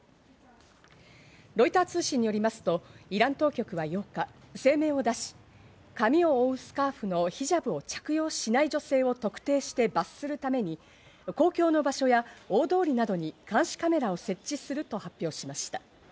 ロイター通信よりますとイラン当局は８日、声明を出し、髪を覆うスカーフのヒジャブを着用しない女性を特定して罰するために公共の場所や大通りなどに監視カメラを設置すると発表しました。